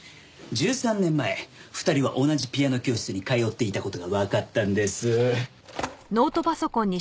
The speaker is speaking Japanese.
１３年前２人は同じピアノ教室に通っていた事がわかったんです。